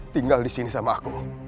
tinggal di sini sama aku